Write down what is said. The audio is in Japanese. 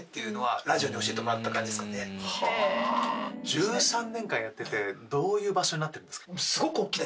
１３年間やっててどういう場所になってるんですか？